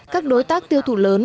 các đối tác tiêu thụ lớn